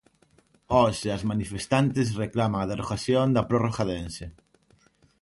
Os e as manifestantes reclaman a derrogación da prórroga de Ence.